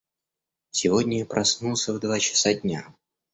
Сегодня я проснулся в два часа дня.